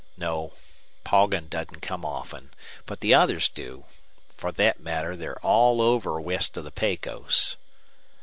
No, Poggin doesn't come often. But the others do. For thet matter, they're around all over west of the Pecos."